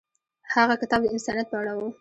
هغه کتاب د انسانیت په اړه و.